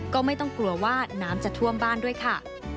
ก็ไม่ต้องกลัวว่าน้ำจะท่วมบ้านด้วยค่ะ